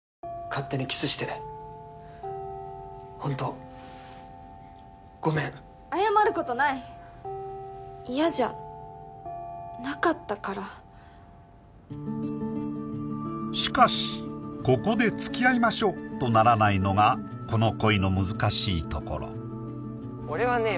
勝手にキスして本当ごめん謝ることない嫌じゃなかったからしかしここでつきあいましょうとならないのがこの恋の難しいところ俺はね